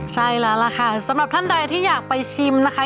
ใช่แล้วล่ะค่ะสำหรับท่านใดที่อยากไปชิมนะคะ